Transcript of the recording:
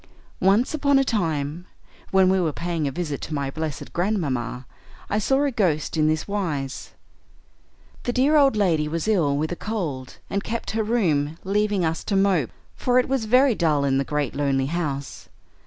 "Once upon a time, when we were paying a visit to my blessed grandmamma, I saw a ghost in this wise: The dear old lady was ill with a cold and kept her room, leaving us to mope, for it was very dull in the great lonely house.